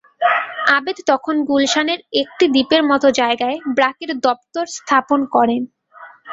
আবেদ তখন গুলশানের একটি দ্বীপের মতো জায়গায় ব্র্যাকের দপ্তর স্থাপন করেন।